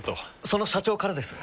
その社長からです。